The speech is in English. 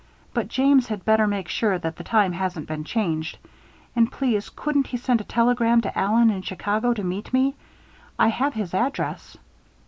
But James had better make sure that the time hasn't been changed. And please, couldn't he send a telegram to Allen, in Chicago, to meet me! I have his address."